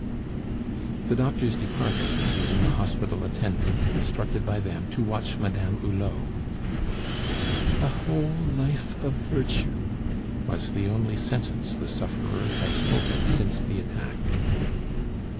The doctors departed, leaving a hospital attendant, instructed by them, to watch Madame Hulot. "A whole life of virtue! " was the only sentence the sufferer had spoken since the attack.